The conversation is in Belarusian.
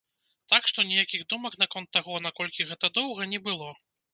Так што, ніякіх думак наконт таго, наколькі гэта доўга, не было.